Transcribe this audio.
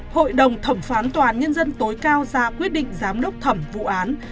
hội đồng thẩm phán toàn nhân dân tối cao ra quyết định giám đốc thẩm vụ án